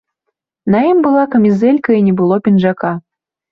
На ім была камізэлька і не было пінжака.